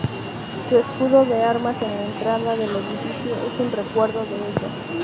Su escudo de armas en la entrada del edificio es un recuerdo de ella.